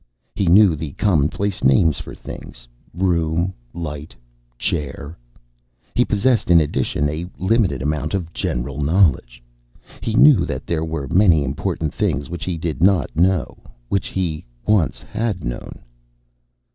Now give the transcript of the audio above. He knew the commonplace names for things: room, light, chair. He possessed in addition a limited amount of general knowledge. He knew that there were many important things which he did not know, which he once had known.